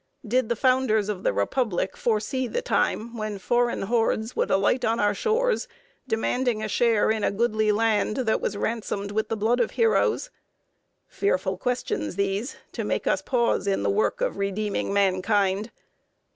"Did the founders of the Republic foresee the time when foreign hordes would alight on our shores, demanding a share in this goodly land that was ransomed with the blood of heroes?" Fearful questions, these, to make us pause in the work of redeeming mankind!